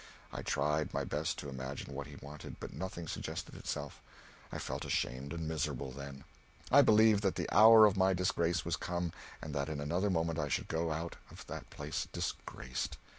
I tried my best to imagine what he wanted, but nothing suggested itself. I felt ashamed and miserable, then. I believed that the hour of my disgrace was come, and that in another moment I should go out of that place disgraced.